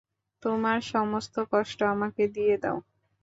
তোমার সমস্ত কষ্ট আমাকে দিয়ে দাও।